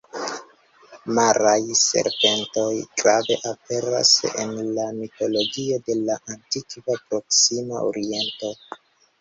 Maraj serpentoj grave aperas en la mitologio de la Antikva Proksima Oriento.